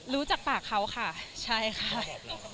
รู้จากปากเขาค่ะใช่ค่ะ